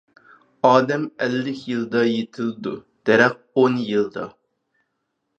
ئادەم ئەللىك يىلدا يېتىلىدۇ، دەرەخ ئون يىلدا.